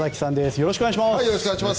よろしくお願いします。